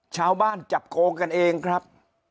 ชาวบ้านจับกรงกันเองครับ